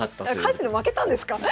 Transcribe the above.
カジノ負けたんですか？